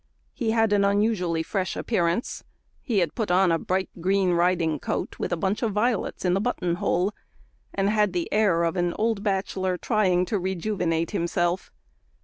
He had an unusually fresh appearance; he had put on a bright green riding coat, with a bunch of violets in the button hole, and had the air of an old bachelor trying to rejuvenate himself.